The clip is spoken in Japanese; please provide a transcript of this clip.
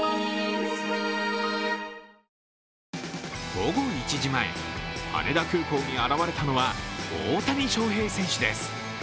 午後１時前、羽田空港に現れたのは大谷翔平選手です。